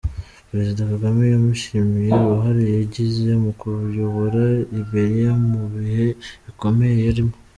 Perezida Kagame yamushimiye uruhare yagize mu kuyobora Liberia mu bihe bikomeye yarimo.